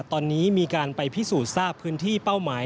ตอนนี้มีการไปพิสูจน์ทราบพื้นที่เป้าหมาย